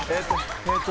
えーっと。